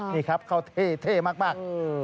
เดี๋ยวเขาเท่มาก